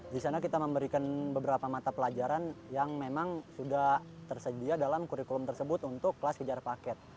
karena kita memberikan beberapa mata pelajaran yang memang sudah tersedia dalam kurikulum tersebut untuk kelas kejar paket